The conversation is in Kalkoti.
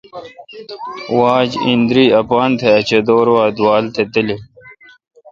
واجتے° ایندری اپان تہ اچدور وا دووال تہ تلیل۔